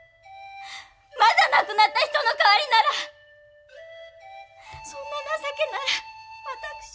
まだ亡くなった人の代わりならそんな情けなら私。